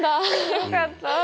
よかった！